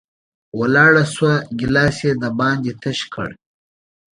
ولاړه شوه، ګېلاس یې د باندې تش کړ